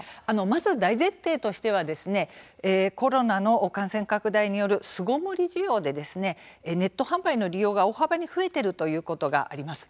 まず大前提としてはコロナの感染拡大による巣ごもり需要でネット販売の利用が大幅に増えているということがあります。